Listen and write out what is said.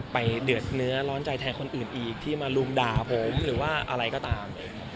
เดือดเนื้อร้อนใจแทนคนอื่นอีกที่มาลุมด่าผมหรือว่าอะไรก็ตาม